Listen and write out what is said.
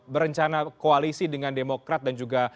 berencana koalisi dengan demokrat dan juga